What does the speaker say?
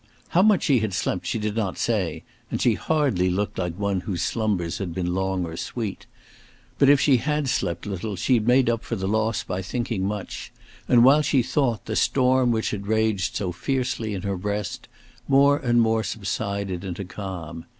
How much she had slept she did not say, and she hardly looked like one whose slumbers had been long or sweet; but if she had slept little, she had made up for the loss by thinking much, and, while she thought, the storm which had raged so fiercely in her breast, more and more subsided into calm.